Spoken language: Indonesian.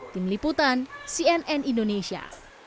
tim liputan cnn indonesia